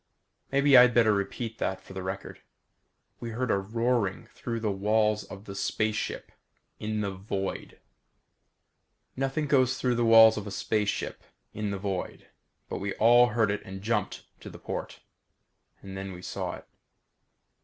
Maybe I'd better repeat that for the record. We heard a roaring through the walls of the space ship. In the void. Nothing goes through the walls of a space ship in the void but we all heard it and jumped to the port. And we all saw it.